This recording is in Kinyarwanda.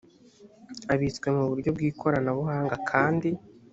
abitswe mu buryo bw ikoranabuhanga kandi